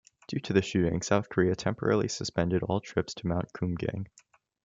Due to the shooting, South Korea temporarily suspended all trips to Mount Kumgang.